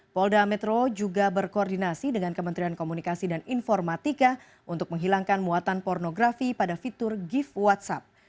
polda metro juga berkoordinasi dengan kementerian komunikasi dan informatika untuk menghilangkan muatan pornografi pada fitur gift whatsapp